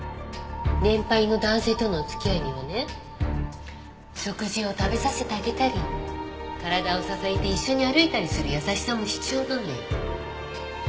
年配の男性とのお付き合いにはね食事を食べさせてあげたり体を支えて一緒に歩いたりする優しさも必要なのよ。